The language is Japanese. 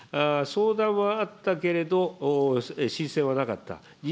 相談はあったけれど、申請はなかった。